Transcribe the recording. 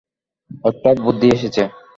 একটা বুদ্ধি এসেছে।